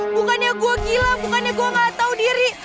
bukannya gue gila bukannya gue gak tahu diri